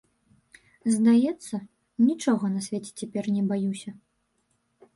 Здаецца, нічога на свеце цяпер не баюся.